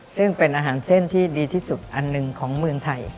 ซึ่งเป็นอาหารเส้นที่ดีที่สุดอันหนึ่งของเมืองไทย